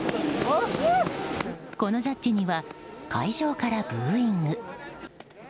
このジャッジには会場からブーイング。